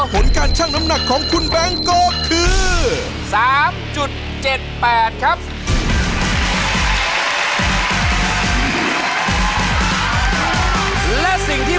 ผ้าของคุณเนี่ย